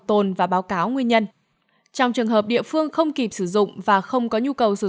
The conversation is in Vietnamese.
tồn và báo cáo nguyên nhân trong trường hợp địa phương không kịp sử dụng và không có nhu cầu sử